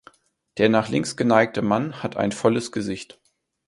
Der nach links geneigte Mann hat ein volles Gesicht.